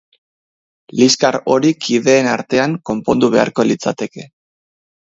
Liskar hori kideen artean konpondu beharko litzateke.